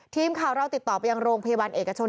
ทีมข่าวเราติดต่อไปยังโรงพยาบาลเอกชน